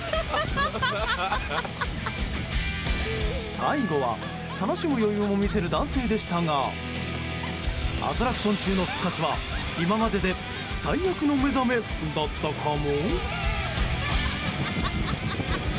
最後は、楽しむ余裕も見せる男性でしたがアトラクション中の復活は今までで最悪の目覚めだったかも？